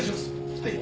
はい！